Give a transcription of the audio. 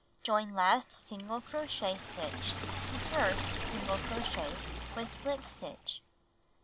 Join last single crochet stitch to first single crochet with slip stitch.